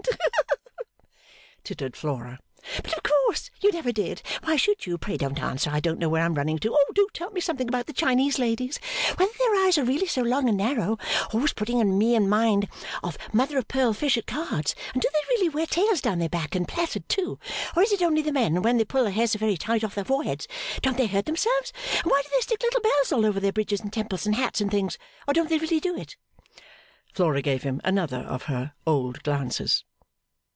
tittered Flora; 'but of course you never did why should you, pray don't answer, I don't know where I'm running to, oh do tell me something about the Chinese ladies whether their eyes are really so long and narrow always putting me in mind of mother of pearl fish at cards and do they really wear tails down their back and plaited too or is it only the men, and when they pull their hair so very tight off their foreheads don't they hurt themselves, and why do they stick little bells all over their bridges and temples and hats and things or don't they really do it?' Flora gave him another of her old glances.